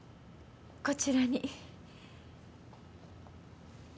こちらに。